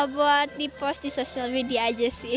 buat di post di sosial media aja sih